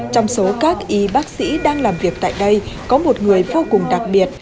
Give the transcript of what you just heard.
trong số các y bác sĩ đang làm việc tại đây có một người vô cùng đặc biệt